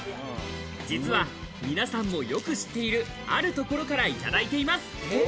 実は皆さんもよく知っている、あるところから、いただいています。